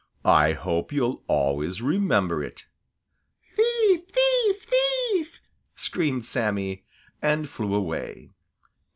"I hope you'll always remember it." "Thief, thief, thief!" screamed Sammy, and flew away.